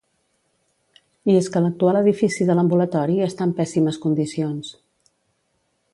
I és que l'actual edifici de l'ambulatori està en pèssimes condicions.